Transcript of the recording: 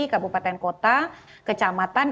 kabupaten kota kecamatan